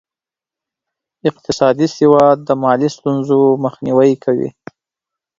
اقتصادي سواد د مالي ستونزو مخنیوی کوي.